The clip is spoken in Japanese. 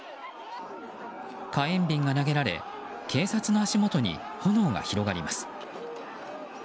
火炎瓶が投げられ警察の足元に炎が広がります。